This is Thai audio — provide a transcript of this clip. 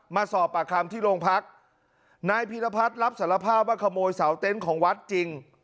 มาสอบปากคำที่โรงพักนายพีรพัฒน์รับสารภาพว่าขโมยเสาเต็นต์ของวัดจริง